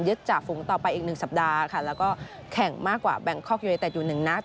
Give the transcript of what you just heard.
จากฝูงต่อไปอีกหนึ่งสัปดาห์ค่ะแล้วก็แข่งมากกว่าแบงคอกยูเนเต็ดอยู่หนึ่งนัด